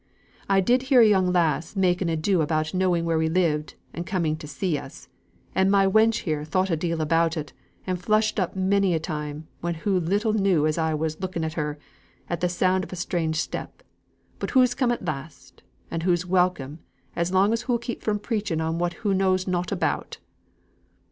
I did hear a young lass make an ado about knowing where we lived, and coming to see us. And my wench here thought a deal about it, and flushed up many a time, when hoo little knew as I was looking at her, at the sound of a strange step. But hoo's come at last, and hoo's welcome, as long as hoo'll keep from preaching on what hoo knows nought about."